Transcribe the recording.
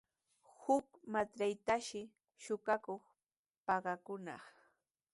Huk matraytrawshi suqakuq pakakunaq.